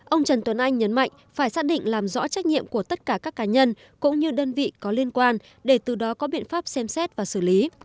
ông trần tuấn anh nhấn mạnh phải xác định làm rõ trách nhiệm của tất cả các cá nhân cũng như đơn vị có liên quan để từ đó có biện pháp xem xét và xử lý